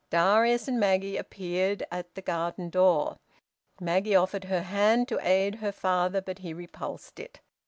Darius and Maggie appeared at the garden door. Maggie offered her hand to aid her father, but he repulsed it.